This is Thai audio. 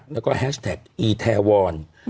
แล้วก็แฮชแท็กอีแทวอน